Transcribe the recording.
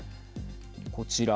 こちら。